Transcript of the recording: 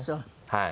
はい。